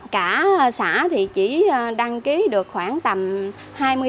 cả xã thì chỉ đăng ký được khoảng tầm hai mươi tám đến ba mươi người